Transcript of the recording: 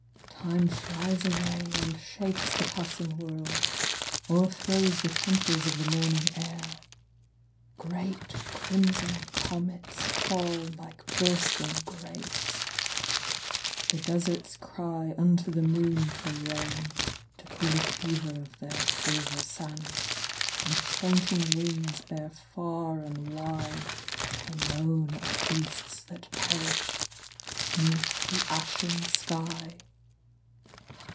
Time flies away and shakes the passing world, O'erthrows the temples of the morning air: Great crimson comets fall like bursting grapes — The deserts cry unto the moon for rain ool the fever of their silver sand ; And famtmg winds bear far and wide the moan ( )i beasts that perish. Death the ashen sky.